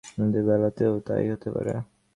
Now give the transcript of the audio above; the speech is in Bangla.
আমাদের বেলাতেও তা-ই হতে পারে।